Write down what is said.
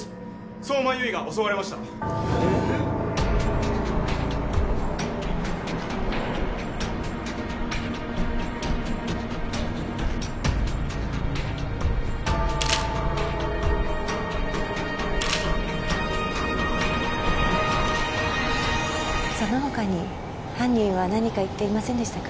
相馬悠依が襲われましたえっそのほかに犯人は何か言っていませんでしたか？